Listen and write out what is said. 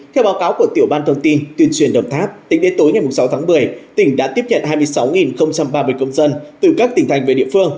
theo báo cáo của tiểu ban thông tin tuyên truyền đồng tháp tính đến tối ngày sáu tháng một mươi tỉnh đã tiếp nhận hai mươi sáu ba mươi công dân từ các tỉnh thành về địa phương